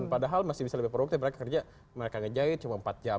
padahal masih bisa lebih produktif mereka kerja mereka ngejait cuma empat jam